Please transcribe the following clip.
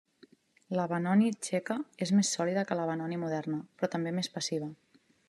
La Benoni txeca és més sòlida que la Benoni moderna, però també més passiva.